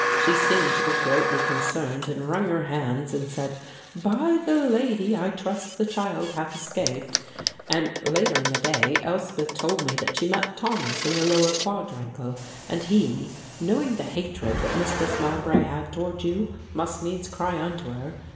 She seemed to be greatly concerned and wrung her hands and said, 'By my Lady, I trust the child hath escaped,' and, later in the day, Elspeth told me that she met Thomas in the lower quadrangle and he, knowing the hatred that Mistress Mowbray had toward you, must needs cry unto her.